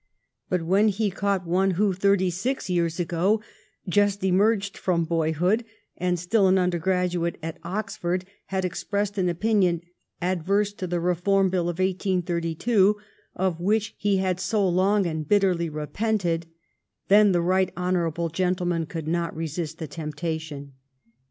But when he caught one 258 THE STORY OF GLADSTONE'S LIFE who, thirty six years ago, just emerged from boy hood and still an undergraduate at Oxford, had expressed an opinion adverse to the Reform Bill of 1832, of which he had so long and bitterly repented, then the right honorable gentleman could not resist the temptation.